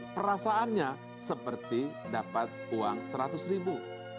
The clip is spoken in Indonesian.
perasaannya seperti dapat uang seratus ribu